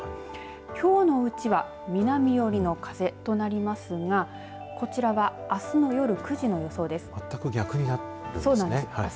きょうのうちは南よりの風となりますがこちらはあすの夜９時の予想です。